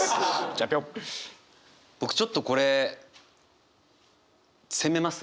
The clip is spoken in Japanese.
僕ちょっとこれ攻めます。